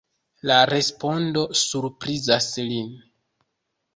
La respondo surprizas lin.